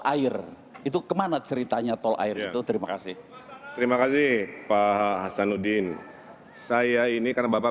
air itu kemana ceritanya tol air itu terima kasih terima kasih pak hasanuddin saya ini karena bapak